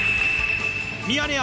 ミヤネ屋